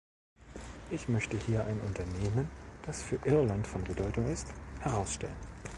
Ich möchte hier ein Unternehmen, das für Irland von Bedeutung ist, herausstellen.